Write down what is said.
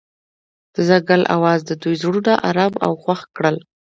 د ځنګل اواز د دوی زړونه ارامه او خوښ کړل.